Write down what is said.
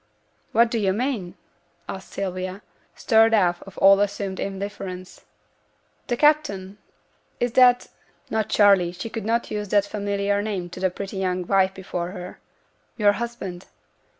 'What do yo' mean?' asked Sylvia, stirred out of all assumed indifference. 'The captain! is that' (not 'Charley', she could not use that familiar name to the pretty young wife before her) 'yo'r husband?'